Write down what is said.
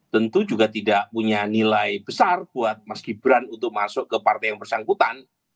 tentu juga tidak punya nilai besar buat mas gibran untuk masuk ke partai yang bersangkutan